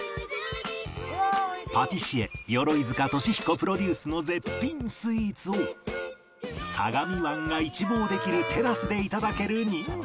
パティシエ鎧塚俊彦プロデュースの絶品スイーツを相模湾が一望できるテラスで頂ける人気店